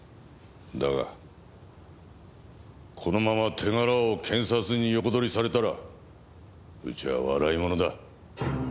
だがこのまま手柄を検察に横取りされたらうちは笑い者だ。